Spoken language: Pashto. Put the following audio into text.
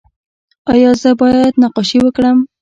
ایا زه باید نقاشي وکړم؟